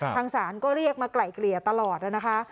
ทางศาลก็เรียกมาไกล่เกลี่ยตลอดนะคะ